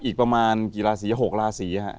อีกประมาณกี่ราศี๖ราศีฮะ